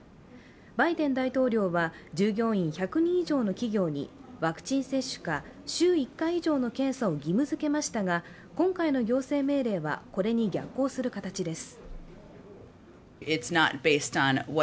バイデン大統領は、従業員１００人以上の企業にワクチン接種か、週１回以上の検査を義務づけましたが今回の行政命令はこれに逆行する形です。